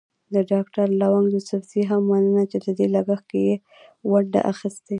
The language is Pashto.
د ډاکټر لونګ يوسفزي هم مننه چې د دې لګښت کې يې ونډه اخيستې.